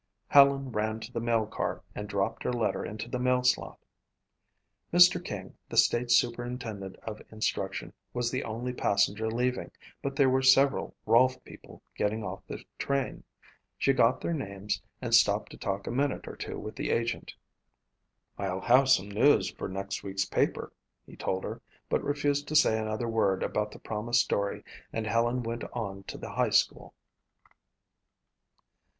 Helen ran to the mail car and dropped her letter into the mail slot. Mr. King, the state superintendent of instruction, was the only passenger leaving but there were several Rolfe people getting off the train. She got their names and stopped to talk a minute or two with the agent. "I'll have some news for next week's paper," he told her, but refused to say another word about the promised story and Helen went on to the high school.